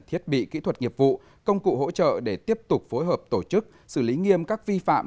thiết bị kỹ thuật nghiệp vụ công cụ hỗ trợ để tiếp tục phối hợp tổ chức xử lý nghiêm các vi phạm